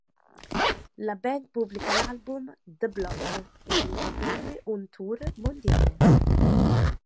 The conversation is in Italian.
La band pubblica l'album "The Block" ed intraprende un tour mondiale.